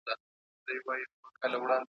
او خلاصه یې کړه